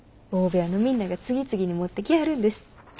大部屋のみんなが次々に持ってきはるんです。